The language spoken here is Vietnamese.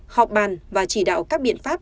họp bàn và chỉ đạo các biện pháp